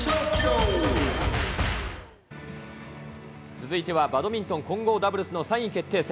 続いてはバドミントン混合ダブルスの３位決定戦。